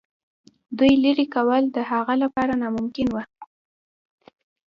دوی لیري کول د هغه لپاره ناممکن وه.